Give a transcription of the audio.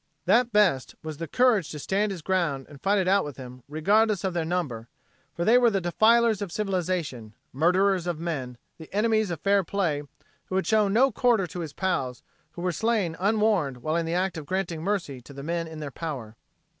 That best was the courage to stand his ground and fight it out with them, regardless of their number, for they were the defilers of civilization, murderers of men, the enemies of fair play who had shown no quarter to his pals who were slain unwarned while in the act of granting mercy to men in their power.